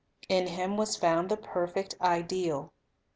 In Him was found the perfect ideal.